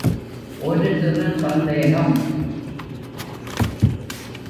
ஒரு சிறு சந்தேகம்.